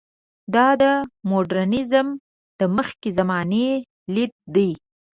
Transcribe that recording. دا د مډرنیزم د مخکې زمانې لید دی.